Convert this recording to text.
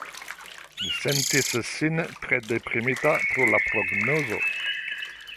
Li sentis sin tre deprimita pro la prognozo.